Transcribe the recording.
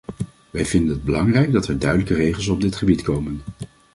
Wij vinden het belangrijk dat er duidelijke regels op dit gebied komen.